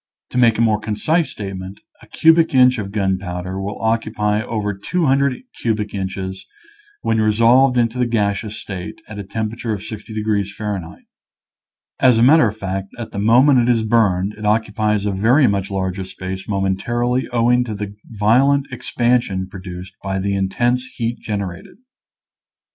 To make a more concise statement, a cubic inch of gunpowder will occupy over 200 cubic inches when re solved into the gaseous state, at a temperature of 60 degrees F. As a matter of fact, at the moment it is burned it occupies a very much larger space momentarily owing to the violent expansion produced by the intense heat gen erated.